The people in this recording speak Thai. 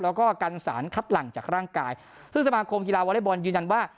แล้วก็กันสารคัดหลังจากร่างกายซึ่งสมาคมกีฬาวอเล็กบอลยืนยันว่า